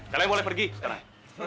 kalian boleh pergi sekarang